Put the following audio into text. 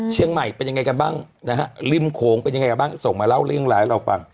เชียงใหม่เป็นยังไงกันบ้างนะฮะริมโขงเป็นยังไงบ้างส่งมาเล่าเรื่องร้ายให้เราฟัง